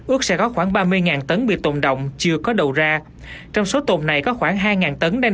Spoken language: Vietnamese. ước sẽ có khoảng ba mươi tấn bịt tồn động chưa có đầu ra trong số tồn này có khoảng hai tấn đang